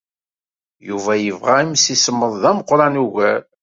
Yuba yebɣa imsismeḍ d ameqran ugar.